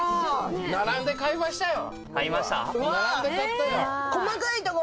並んで買いましたよ。